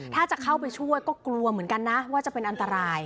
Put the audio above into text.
ถ้าจะเข้าไปช่วยก็กลัวเหมือนกันนะว่าจะเป็นอันตราย